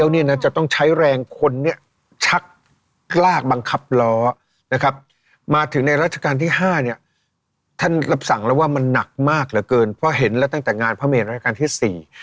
นะครับมาถึงในราชการที่๕เนี่ยท่านรับสั่งแล้วว่ามันนักมากเหลือเกินเพราะเห็นแล้วตั้งแต่งานพระเมรินราชการที่๔